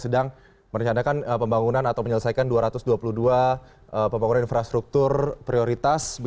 sedang merencanakan pembangunan atau menyelesaikan dua ratus dua puluh dua pembangunan infrastruktur prioritas